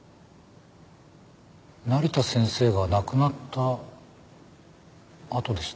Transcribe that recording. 成田先生が亡くなったあとでした。